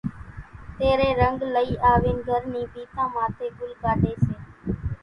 تيرين رنگ لئي آوين گھر نِي ڀينتان ماٿي ڳُل ڪاڍي سي